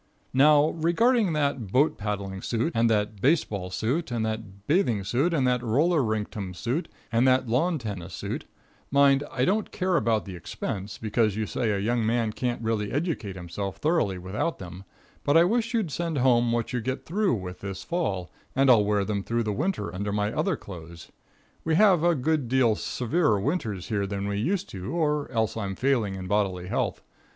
Now, regarding that boat paddling suit, and that baseball suit, and that bathing suit, and that roller rinktum suit, and that lawn tennis suit, mind, I don't care about the expense, because you say a young man can't really educate himself thoroughly without them, but I wish you'd send home what you get through with this fall, and I'll wear them through the winter under my other clothes. We have a good deal severer winters here than we used to, or else I'm failing in bodily health.